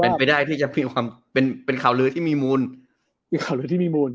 ไม่ได้เป็นข่าวลือที่มีมูล